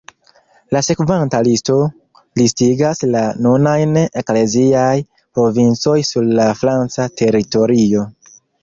La sekvanta listo listigas la nunajn ekleziaj provincoj sur la franca teritorio.